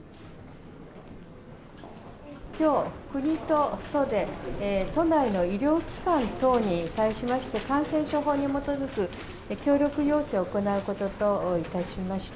きょう、国と都で都内の医療機関等に対しまして、感染症法に基づく協力要請を行うことといたしました。